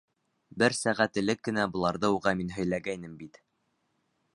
Бер сәғәт элек кенә быларҙы уға мин һөйләгәйнем бит!